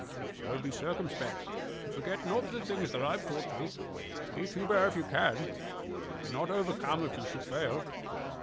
So be circumspect; and forget not the things that I have taught you. Beat Hubert if you can, but be not overcome if you should fail.